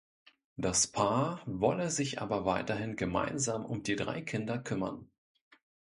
Das Paar wolle sich aber weiterhin gemeinsam um die drei Kinder kümmern.